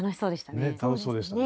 ね楽しそうでしたね。